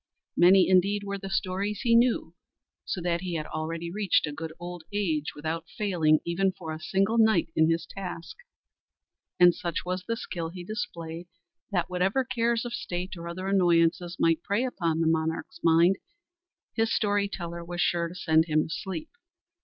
Many indeed were the stories he knew, so that he had already reached a good old age without failing even for a single night in his task; and such was the skill he displayed that whatever cares of state or other annoyances might prey upon the monarch's mind, his story teller was sure to send him to sleep.